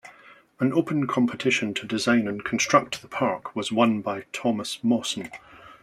An open competition to design and construct the park was won by Thomas Mawson.